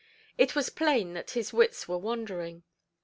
It was plain that his wits were wandering.